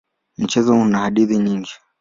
Mchezo una hadithi nyingine.